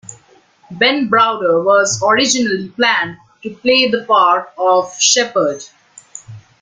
Ben Browder was originally planned to play the part of Sheppard.